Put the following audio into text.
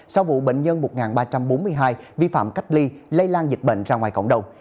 sau vụ bệnh nhân một ba trăm bốn mươi hai vi phạm cách ly lây lan dịch bệnh ra ngoài cộng đồng